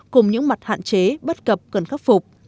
cùng những mặt hạn chế bất cập cần khắc phục